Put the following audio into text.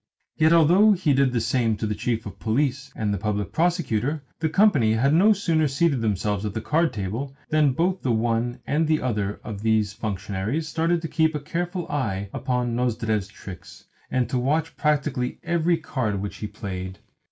Yet although he did the same to the Chief of Police and the Public Prosecutor, the company had no sooner seated themselves at the card table than both the one and the other of these functionaries started to keep a careful eye upon Nozdrev's tricks, and to watch practically every card which he played.